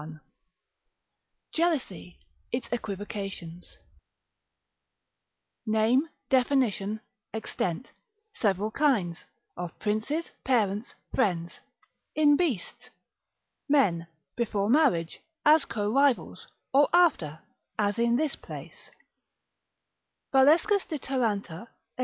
I.—_Jealousy, its Equivocations, Name, Definition, Extent, several kinds; of Princes, Parents, Friends. In Beasts, Men: before marriage, as Co rivals; or after, as in this place_. Valescus de Taranta cap.